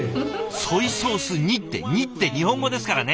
「ソイソース煮」って「煮」って日本語ですからね。